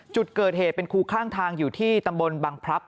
จุดเกิดเหตุเป็นครูข้างทางอยู่ที่ตำบลบังพลับ